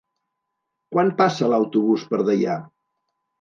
Quan passa l'autobús per Deià?